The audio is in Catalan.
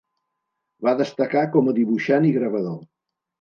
Va destacar com a dibuixant i gravador.